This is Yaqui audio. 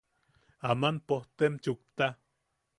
Aman pojtem chukta.